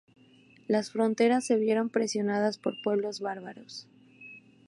Las fronteras se vieron presionadas por pueblos bárbaros.